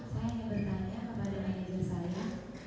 saya hanya bertanya kepada manajer saya